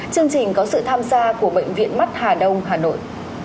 chương trình có sự tham gia của bệnh viện mắt hà đông hà nội